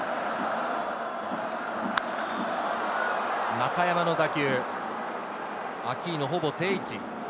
中山の打球、アキーノ、ほぼ定位置。